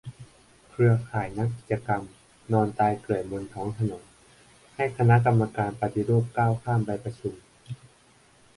เครือข่ายนักกิจกรรม นอนตายเกลื่อนบนท้องถนน ให้คณะกรรมการปฏิรูปก้าวข้ามไปประชุม